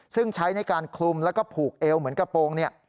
ซึ่งใช้ในการคลุมแล้วก็ผูกเอวเหมือนกระโปรงเนี่ย